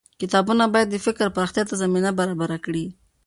کتابونه بايد د فکر پراختيا ته زمينه برابره کړي.